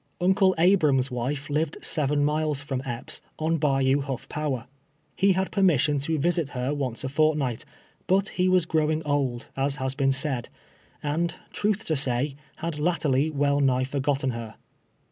Uncle Abram's wife lived seven miles from Z'1'1 TWF.LVE YEARS A SLAVE. Epps', on Ba^'ou llulf Power, lie had permission to visit her once a fortnight, hnt lie was growing old, as has been said, and truth to say, had 'latterly well nigh forgotten her.